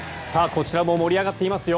こちらも盛り上がっていますよ。